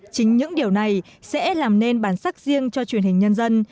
chính những điều này sẽ làm nên bản sắc riêng cho truyền hình nhân dân